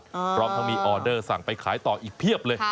วันละกว่า๔๐๐๐บาทพร้อมทั้งมีออเดอร์สั่งไปขายต่ออีกเพียบเลย